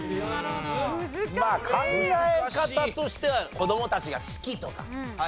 まあ考え方としては子どもたちが好きとか。